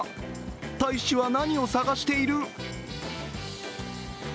大使は何を探している？